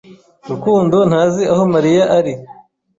Rukundo ntazi aho Mariya ari.